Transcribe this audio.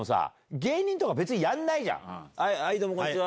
どうもこんにちは！